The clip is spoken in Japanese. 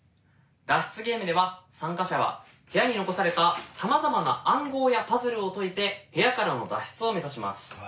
脱出ゲームでは参加者は部屋に残されたさまざまな暗号やパズルを解いて部屋からの脱出を目指します。